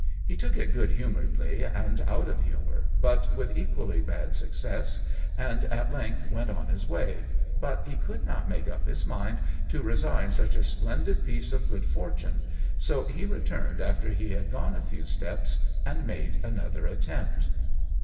He took it good humouredly and out of humour, but with equally bad success, and at length went on his way; but he could not make up his mind to resign such a splendid piece of good fortune, so he returned after he had gone a few steps, and made another attempt.